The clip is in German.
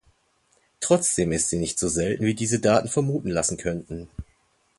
Trotzdem ist sie nicht so selten wie diese Daten vermuten lassen könnten.